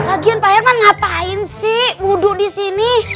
lagian pak herman ngapain sih wudhu di sini